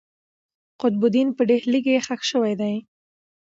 قطب الدین په ډهلي کښي ښخ سوی دئ.